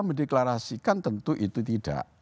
mendeklarasikan tentu itu tidak